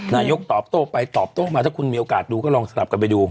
นายกตอบโต้ไปตอบโต้มาถ้าคุณมีโอกาสดูก็ลองสลับกันไปดู